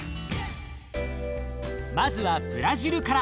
まずはブラジルから。